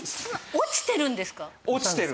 落ちてるんです。